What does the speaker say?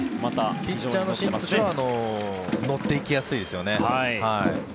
ピッチャーの心理としては乗っていきやすいですね。